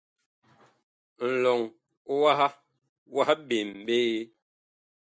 Ŋlɔŋ waha wah ɓem ɓe.